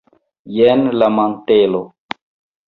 jen la mantelo!